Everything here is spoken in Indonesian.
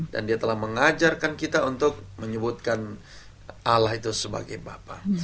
dan dia telah mengajarkan kita untuk menyebutkan allah itu sebagai bapak